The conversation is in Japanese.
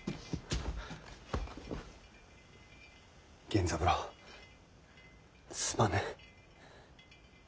源三郎すまぬ。